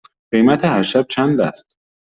قیمت هر شب چند است؟